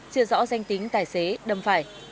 chưa rõ danh tính tài xế đâm phải